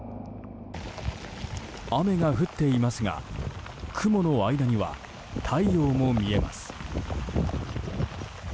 雨が降っていますが雲の間には太陽も見えます。